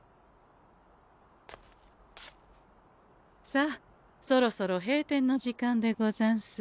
さあそろそろ閉店の時間でござんす。